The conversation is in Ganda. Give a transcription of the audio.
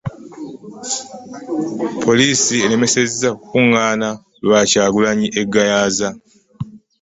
Poliisi eremesezza okukungaana lwa Kyagulanyi e Gayaza